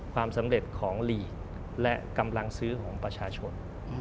ความสำเร็จของลีกและกำลังซื้อของประชาชน